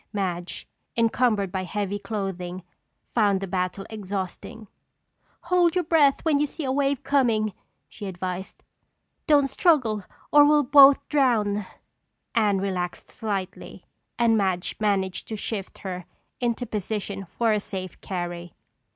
Madge, encumbered by heavy clothing, found the battle exhausting. "Hold your breath when you see a wave coming," she advised. "Don't struggle or we'll both drown." Anne relaxed slightly and Madge managed to shift her into position for a safe carry.